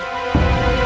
saya mohon diri